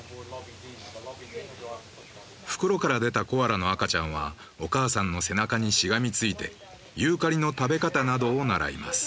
袋から出たコアラの赤ちゃんはお母さんの背中にしがみついてユーカリの食べ方などを習います。